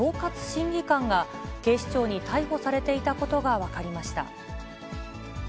審議官が警視庁に逮捕されていたことが分かりました。